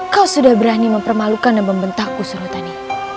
kamu sudah berani mempermalukan dan membentakku suandani